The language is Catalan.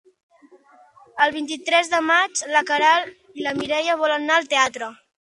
El vint-i-tres de maig na Queralt i na Mireia volen anar al teatre.